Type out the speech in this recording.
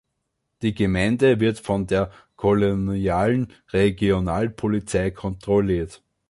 Die Gemeinde wird von der Kolonialen Regionalpolizei kontrolliert.